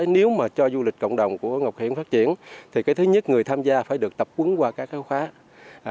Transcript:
nếu mà cho du lịch cộng đồng của ngọc hiển phát triển thì cái thứ nhất người tham gia phải được tập quấn qua các khóa